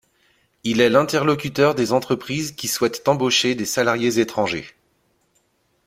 Il est l’interlocuteur des entreprises qui souhaitent embaucher des salariés étrangers.